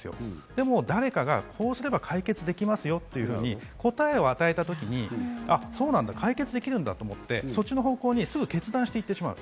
でも誰かが、こうすれば解決できますよと、答えを与えた時にあぁそうなんだ、解決できるんだとそっちの方向にすぐ決断してしまう。